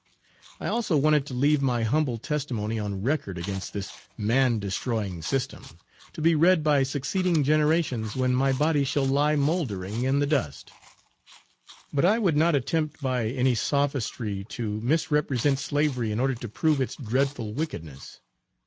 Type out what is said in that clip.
I also wanted to leave my humble testimony on record against this man destroying system, to be read by succeeding generations when my body shall lie mouldering in the dust. But I would not attempt by any sophistry to misrepresent slavery in order to prove its dreadful wickedness.